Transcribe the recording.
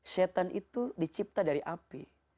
setan itu dicipta dari api